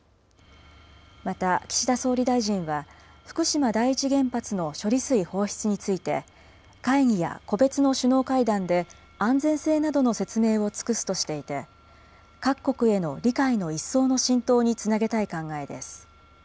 また岸田総理大臣は、福島第一原発の処理水放出について、会議や個別の首脳会談で、安全性などの説明を尽くすとしていて、各国への理解の一層の浸透につなげたい考えです。